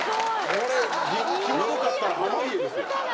これ際どかったら濱家ですよ。